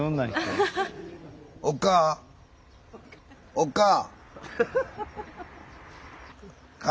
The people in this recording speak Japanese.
おっかあ。